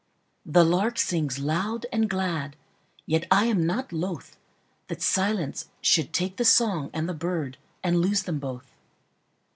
The lark sings loud and glad, Yet I am not lothThat silence should take the song and the birdAnd lose them both.